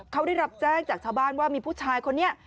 เขาได้รับแจ้งจากชาวบ้านว่ามีผู้ชายคนนี้